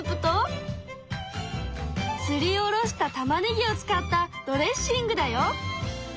すりおろしたたまねぎを使ったドレッシングだよ。